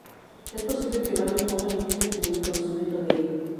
Es posible que Baden Powell hubiese tenido conocimiento de ello.